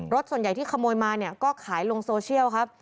ส่วนใหญ่ที่ขโมยมาเนี่ยก็ขายลงโซเชียลครับ